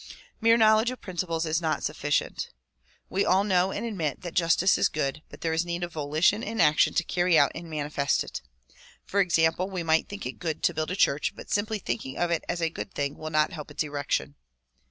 Mere knowledge of principles is not sufficient. We all know and admit that justice is good but there is need of volition and action to carry out and manifest it. For example, we might think it good to build a church but simply thinking of it as a good thing will not help its erection.